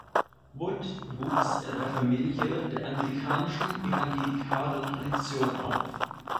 Wood wuchs in einer Familie der anglikanischen evangelikalen Tradition auf.